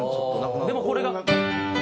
でもこれが。